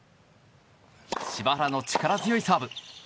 柴原の力強いサーブ。